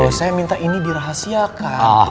loh saya minta ini dirahasiakan